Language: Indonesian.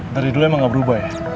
dari dulu emang gak berubah ya